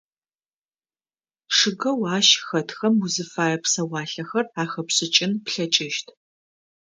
Чъыгэу ащ хэтхэм узыфае псэуалъэхэр ахэпшӏыкӏын плъэкӏыщт.